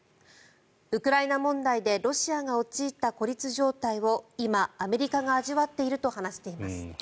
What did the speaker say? ウクライナ問題でロシアが陥った孤立状態を今、アメリカが味わっていると話しています。